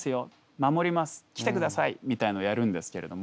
守ります来てくださいみたいなのをやるんですけれども。